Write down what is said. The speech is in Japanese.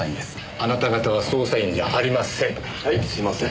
あなた方は捜査員じゃありません。